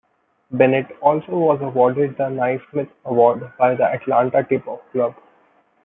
Bennett also was awarded the Naismith Award by the Atlanta Tip of Club.